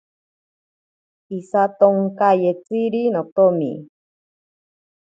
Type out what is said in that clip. Isatonkayetziri notomi.